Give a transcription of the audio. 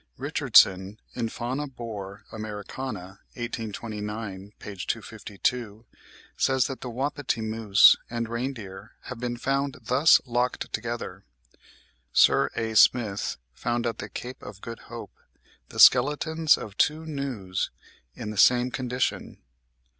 Richardson, in 'Fauna Bor. Americana,' 1829, p. 252, says that the wapiti, moose, and reindeer have been found thus locked together. Sir A. Smith found at the Cape of Good Hope the skeletons of two gnus in the same condition.)